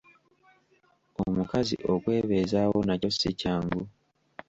Omukazi okwebeezaawo nakyo si kyangu.